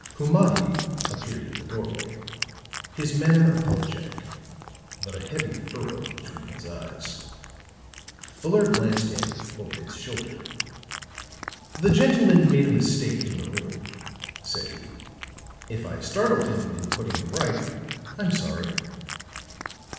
Humadi appeared in the doorway, his manner apologetic, but a heavy furrow between his eyes. Fuller glanced in, over his shoulder. "The gentleman made a mistake in the room," said he. "If I startled him in putting him right, I'm sorry."